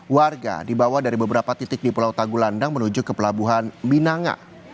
warga dibawa dari beberapa titik di pulau tagulandang menuju ke pelabuhan minanga